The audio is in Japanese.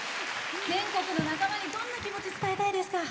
全国の仲間にどんな気持ち、伝えたいですか？